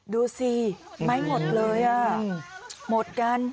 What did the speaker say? ดูสิไม้หมดเลยอ่ะหมดกัน